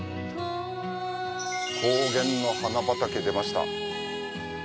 ⁉高原の花畑出ました。